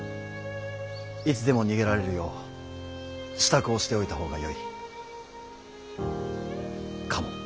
いつでも逃げられるよう支度をしておいた方がよいかも。